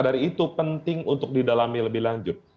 dari itu penting untuk didalami lebih lanjut